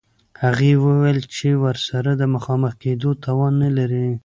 هغې وویل چې ورسره د مخامخ کېدو توان نلري